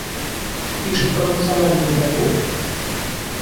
Пишет про национальную борьбу?